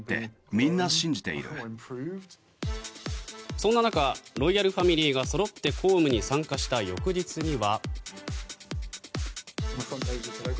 そんな中ロイヤルファミリーがそろって公務に参加した翌日には。